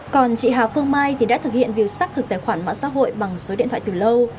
còn chị hà phương mai thì đã thực hiện việc xác thực tài khoản mạng xã hội bằng số điện thoại từ lâu